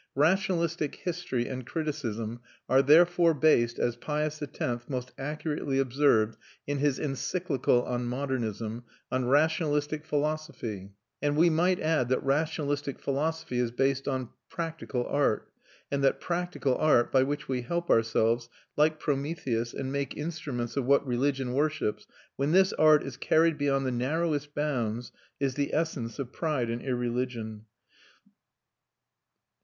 Rationalistic history and criticism are therefore based, as Pius X. most accurately observed in his Encyclical on modernism, on rationalistic philosophy; and we might add that rationalistic philosophy is based on practical art, and that practical art, by which we help ourselves, like Prometheus, and make instruments of what religion worships, when this art is carried beyond the narrowest bounds, is the essence of pride and irreligion.